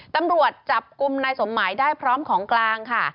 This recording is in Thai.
ตำรวจจับกลุ่มนายสมหมายได้พร้อมของกลางค่ะ